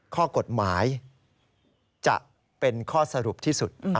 ข้อกฎหมายจะเป็นข้อสรุปที่สุด